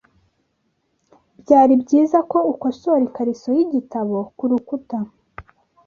Byari byiza ko ukosora ikariso yigitabo kurukuta .